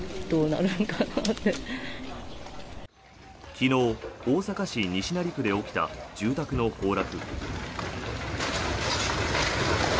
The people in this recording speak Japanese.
昨日、大阪市西成区で起きた住宅の崩落。